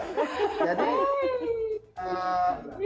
terbukti masih juara